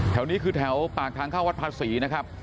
แถวนี้คือแถวปากทางเข้าวัดภาษีนะครับ